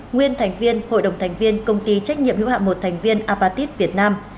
nguyên thành viên hội đồng thành viên công ty trách nhiệm hữu hạm một thành viên apatit việt nam